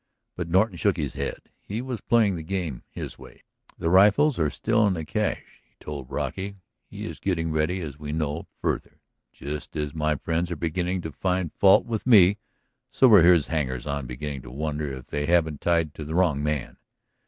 But Norton shook his head. He was playing the game his way. "The rifles are still in the cache," he told Brocky. "He is getting ready, as we know; further, just as my friends are beginning to find fault with me, so are his hangers on beginning to wonder if they haven't tied to the wrong man.